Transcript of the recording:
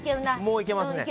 もういけますね。